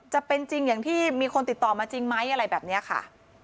จะเป็นจริงอย่างที่มีคนติดต่อมาจริงไหมอะไรแบบนี้ค่ะ